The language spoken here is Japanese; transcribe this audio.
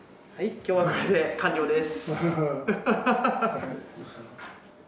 今日はこれで完了です。